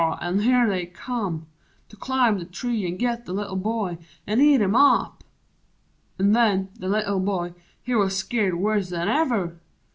An' here they come To climb the tree an' git the Little Boy An' eat him up! An' nen the Little Boy He 'uz skeered worse'n ever!